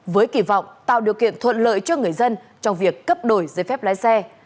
với kỳ vọng tạo điều kiện thuận lợi cho người dân trong việc cấp đổi giấy phép lái xe